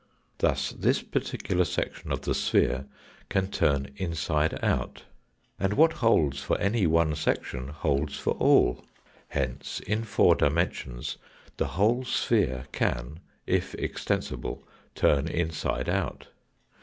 Thus this particular section of the sphere can turn inside out, and what holds for any one section holds for all. Hence in four dimensions the whole sphere can, if extensible turn inside out.